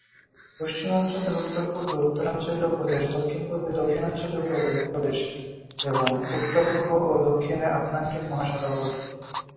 পশ্চিমাঞ্চলের উত্তর পূর্বে উত্তরাঞ্চলীয় প্রদেশ, দক্ষিণ পূর্বে দক্ষিণাঞ্চলীয় প্রদেশ এবং উত্তর পূর্ব ও দক্ষিণে আটলান্টিক মহাসাগর অবস্থিত।